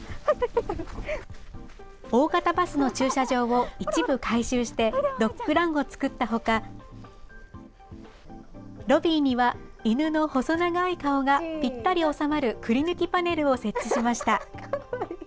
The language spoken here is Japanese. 大型バスの駐車場を一部改修して、ドッグランを作ったほか、ロビーには犬の細長い顔がぴったり収まるくりぬきパネルを設置しました。